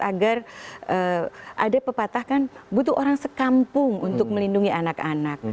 agar ada pepatahkan butuh orang sekampung untuk melindungi anak anak